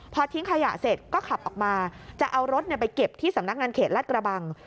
พอทิ้งขยะเสร็จก็ขับออกมาจะเอารถไปเก็บที่สำนักงานเขตลาดกระบัง